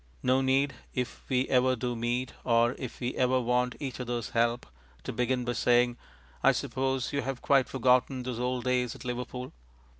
No need, if we ever do meet, or if we ever want each other's help, to begin by saying: `I suppose you have quite forgotten those old days at Liverpool.'